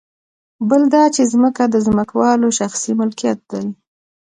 بل دا چې ځمکه د ځمکوالو شخصي ملکیت دی